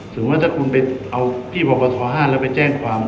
ถึงว่าถ้าคุณไปเอาพี่บกท๕แล้วไปแจ้งความ